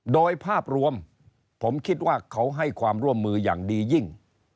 โดยภาพรวมผมคิดว่าเขาให้ความร่วมมืออย่างดียิ่ง